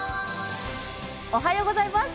おはようございます。